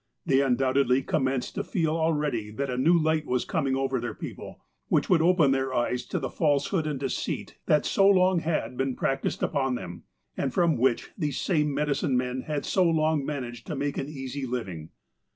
They undoubtedly commenced to feel already that a new light was coming over their people, which would open their eyes to the falsehood and deceit that so long had been practiced upon them, and from which these same medicine men had so long managed to make an easy liv ing.